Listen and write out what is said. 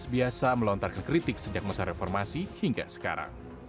biasa melontarkan kritik sejak masa reformasi hingga sekarang